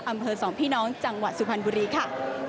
อำเภอสองพี่น้องจังหวัดสุพรรณบุรีค่ะ